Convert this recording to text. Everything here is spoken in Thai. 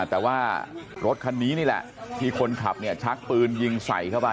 แต่ว่ารถคันนี้นี่แหละที่คนขับเนี่ยชักปืนยิงใส่เข้าไป